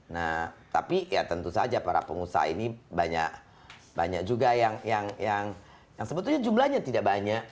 nah tapi ya tentu saja para pengusaha ini banyak juga yang sebetulnya jumlahnya tidak banyak